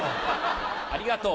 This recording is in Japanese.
ありがとう。